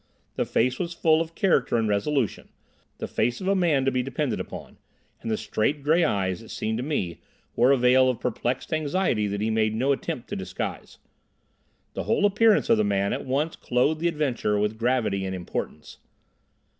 The face was full of character and resolution, the face of a man to be depended upon, and the straight grey eyes, it seemed to me, wore a veil of perplexed anxiety that he made no attempt to disguise. The whole appearance of the man at once clothed the adventure with gravity and importance.